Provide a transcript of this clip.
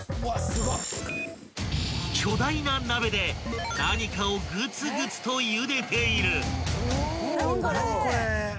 ［巨大な鍋で何かをぐつぐつとゆでている］